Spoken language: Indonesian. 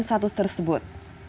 menetapkan status tersebut